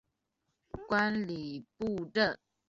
观礼部政。